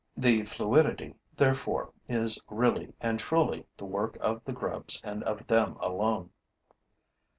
The fluidity, therefore, is really and truly the work of the grubs and of them alone.